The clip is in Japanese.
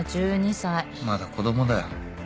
まだ子供だよ。